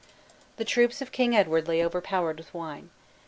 The troops of King Edward lay overpowered with wine.